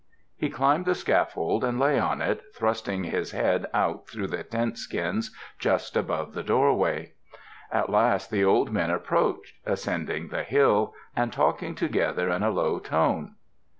He climbed the scaffold and lay on it, thrusting his head out through the tent skins just above the doorway. At last the old men approached, ascending the hill, and talking together in a low tone.